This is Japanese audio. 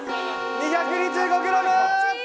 ２２５ｇ！